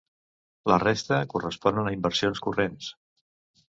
La resta corresponen a inversions corrents.